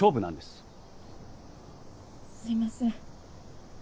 すいません。